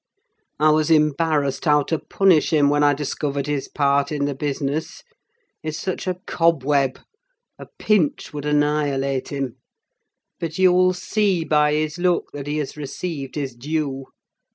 I was embarrassed how to punish him when I discovered his part in the business: he's such a cobweb, a pinch would annihilate him; but you'll see by his look that he has received his due!